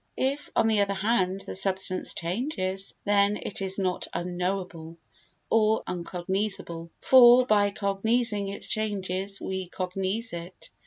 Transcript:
If, on the other hand, the substance changes, then it is not unknowable, or uncognisable, for by cognising its changes we cognise it.